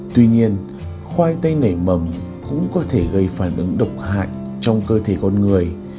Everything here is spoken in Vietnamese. tuy nhiên khoai tây nảy mầm cũng có thể gây phản ứng độc hại trong cơ thể con người